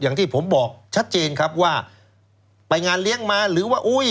อย่างที่ผมบอกชัดเจนครับว่าไปงานเลี้ยงมาหรือว่าอุ้ย